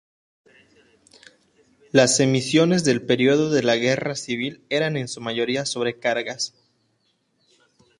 Las emisiones del período de la Guerra Civil eran en su mayoría sobrecargas.